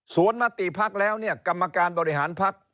ส่วนมติพักแล้วเนี่ยกรรมการบริหารพัก